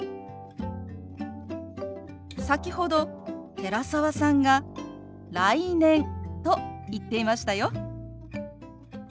先ほど寺澤さんが「来年」と言っていましたよ。